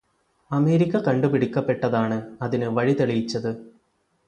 America കണ്ടുപിടിക്കപ്പെട്ടതാണ് അതിനു് വഴിതെളിയിച്ചതു്.